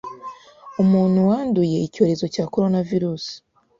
umuntu wanduye Icyorezo cya Coronavirus